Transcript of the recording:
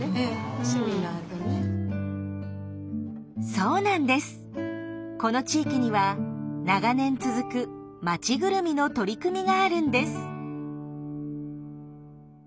そうなんですこの地域には長年続く町ぐるみの取り組みがあるんです。